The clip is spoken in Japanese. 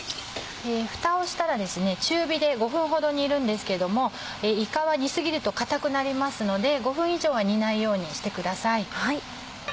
フタをしたら中火で５分ほど煮るんですけどもいかは煮過ぎると硬くなりますので５分以上は煮ないようにしてください。